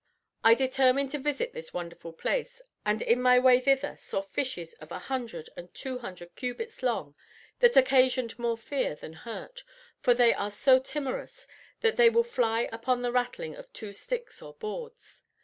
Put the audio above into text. I determined to visit this wonderful place, and in my way thither saw fishes of 100 and 200 cubits long that occasion more fear than hurt; for they are so timorous that they will fly upon the rattling of two sticks or boards.